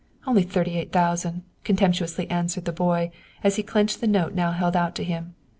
"Only thirty eight thousand," contemptuously answered the boy, as he clutched the note now held out to him.